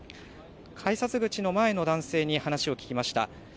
改札口の前の男性に話を聞きました。